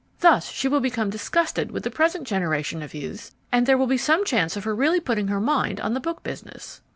Thus she will become disgusted with the present generation of youths and there will be some chance of her really putting her mind on the book business."